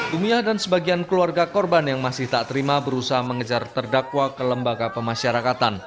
tumiah dan sebagian keluarga korban yang masih tak terima berusaha mengejar terdakwa ke lembaga pemasyarakatan